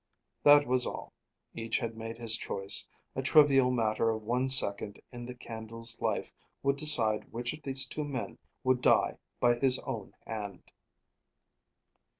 That was all. Each had made his choice; a trivial matter of one second in the candle's life would decide which of these two men would die by his own hand.